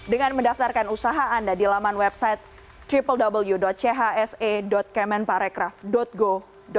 dengan mendaftarkan usaha anda di laman website www chse kemenparekraf go